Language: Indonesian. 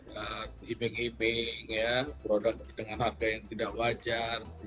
iming iming produk dengan harga yang tidak wajar